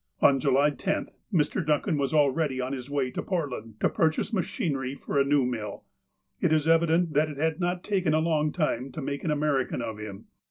On July 10th, Mr. Duncan was already on his way to Portland to purchase machinery for a new mill. It is evident that it had not taken a long time to make an American of him.